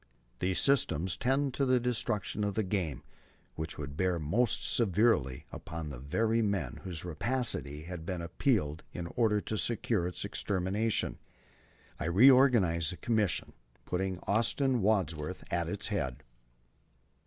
These systems tend to the destruction of the game, which would bear most severely upon the very men whose rapacity has been appealed to in order to secure its extermination. ..." I reorganized the Commission, putting Austin Wadsworth at its head.